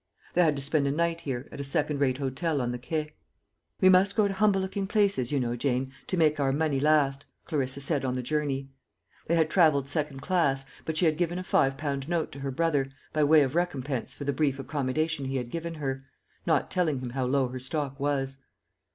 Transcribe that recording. They had to spend a night here, at a second rate hotel on the Quay. "We must go to humble looking places, you know, Jane, to make our money last," Clarissa said on the journey. They had travelled second class; but she had given a five pound note to her brother, by way of recompense for the brief accommodation he had given her, not telling him how low her stock was.